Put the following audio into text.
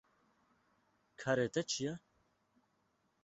Karê te çi ye?